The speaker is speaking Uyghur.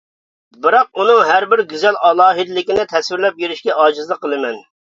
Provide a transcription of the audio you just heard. بىراق ئۇنىڭ ھەربىر گۈزەل ئالاھىدىلىكىنى تەسۋىرلەپ بېرىشكە ئاجىزلىق قىلىمەن.